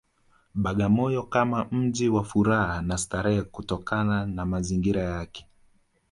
Bagamoyo kama mji wa furaha na starehe kutokana na mazingira yake